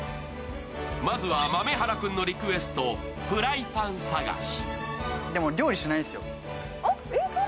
まずは豆原君のリクエストでフライパン探し。